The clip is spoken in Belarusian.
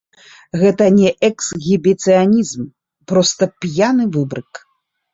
Гэта не эксгібіцыянізм, проста п'яны выбрык.